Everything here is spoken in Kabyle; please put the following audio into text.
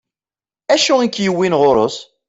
Acu ik-yewwin ɣur-s?